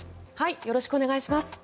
よろしくお願いします。